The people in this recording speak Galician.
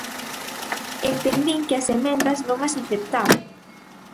Entendín que as emendas non as aceptaba.